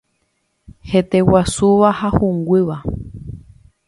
Heteguasúva ha hũngýva.